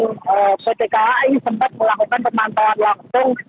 bahkan di lukur keselamatan pt kai sempat melakukan penantauan langsung